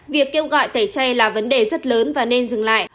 việc kêu gọi tẩy chay là vấn đề rất lớn và nên dừng lại